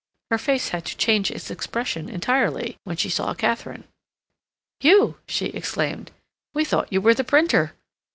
Her face had to change its expression entirely when she saw Katharine. "You!" she exclaimed. "We thought you were the printer."